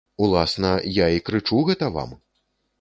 Уласна, я і крычу гэта вам.